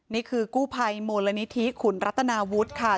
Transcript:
นี่คือกู้ภัยมูลนิธิขุนรัตนาวุฒิค่ะ